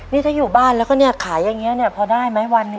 นี่ถ้าอยู่บ้านแล้วก็เนี่ยขายอย่างนี้เนี่ยพอได้ไหมวันหนึ่ง